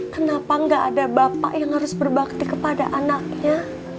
kenapa gak ada bapak yang harus berbakti kepada anaknya